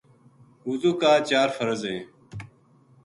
وضو لا چار فرض ہیں۔